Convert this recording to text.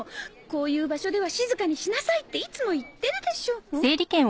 こういう場所では静かにしなさいっていつも言ってるでしょん？